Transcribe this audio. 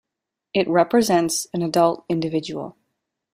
It represents an adult individual.